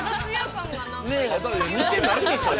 ◆似てないでしょう？